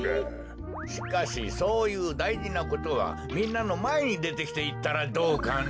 しかしそういうだいじなことはみんなのまえにでてきていったらどうかね？